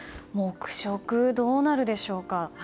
黙食、どうなるでしょうか。